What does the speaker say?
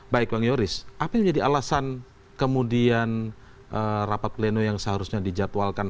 baik bang yoris apa yang menjadi alasan kemudian rapat pleno yang seharusnya dijadwalkan